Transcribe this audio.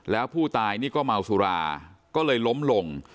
แล้วผู้ตายนี่ก็เมาสุราก็เลยล้มลง